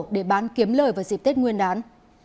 để bán kiếm lời vào dịp tết nguyên đán